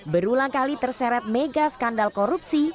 berulang kali terseret mega skandal korupsi